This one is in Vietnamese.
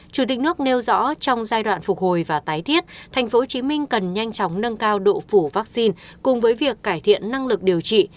chủ tịch nước nêu rõ trong giai đoạn phục hồi và tái thiết tp hcm cần nhanh chóng nâng cao độ phủ vaccine cùng với việc cải thiện năng lực điều trị